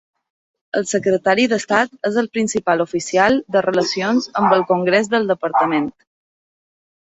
El Secretari d'estat es el principal oficial de relacions amb el congrés del departament.